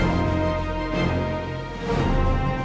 สวัสดีครับ